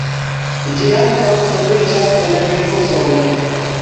Ĝi ankaŭ troviĝas en virusoj.